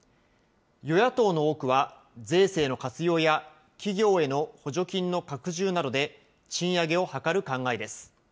与野党の多くは、税制の活用や、企業への補助金の拡充などで、賃上げを図る考えです。